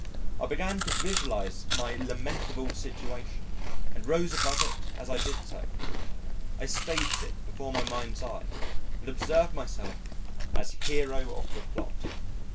I began to visualise my lamentable situation, and rose above it as I did so. I staged it before my mind's eye and observed myself as hero of the plot.